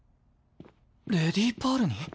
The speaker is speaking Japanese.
レディパールに？